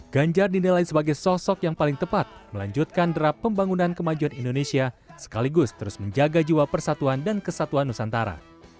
ganjar dinilai sebagai sosok yang paling tepat melanjutkan draft pembangunan kemajuan indonesia sekaligus terus menjaga jiwa persatuan dan kesatuan nusantara